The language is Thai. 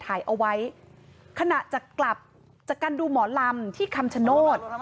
ถ่ายเอาไว้ขณะจะกลับจากการดูหมอลำที่คำชโนธ